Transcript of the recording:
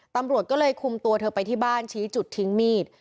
ตำรวจก็เลยคุมตัวเธอไปที่บ้านชี้จุดทิ้งมีด